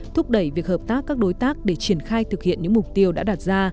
thúc đẩy việc hợp tác các đối tác để triển khai thực hiện những mục tiêu đã đạt ra